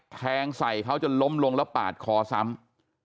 แทงใส่เขาจนล้มลงแล้วปาดคอซ้ำ